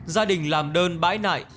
gia đình làm đơn bãi nại